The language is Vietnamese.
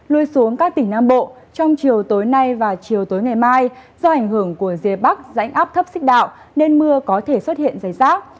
lui xuống các tỉnh nam bộ trong chiều tối nay và chiều tối ngày mai do ảnh hưởng của rìa bắc rãnh áp thấp xích đạo nên mưa có thể xuất hiện dày rác